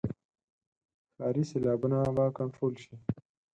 ښاري سیلابونه به کنټرول شي.